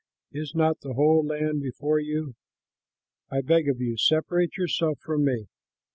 Is not the whole land before you? I beg of you, separate yourself from me.